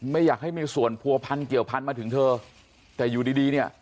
ไม่อยากให้มีส่วนผัวพันเกี่ยวพันมาถึงเธอแต่อยู่ดีดีเนี่ย